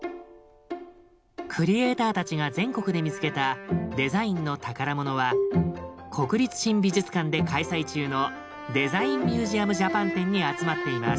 クリエーターたちが全国で見つけたデザインの宝物は国立新美術館で開催中の「デザインミュージアムジャパン展」に集まっています。